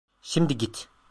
Şimdi git.